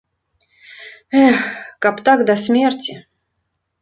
Эх, каб так да смерці!